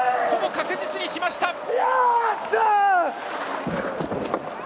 ほぼ確実にしました！